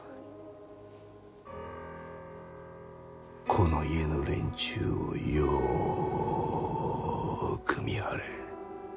この家の連中をよく見張れ。